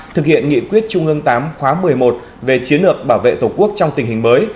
thực hiện nghị quyết trung ương tám khóa một mươi một về chiến lược bảo vệ tổ quốc trong tình hình mới